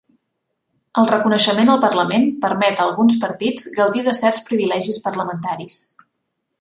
El reconeixement al Parlament permet a alguns partits gaudir de certs privilegis parlamentaris.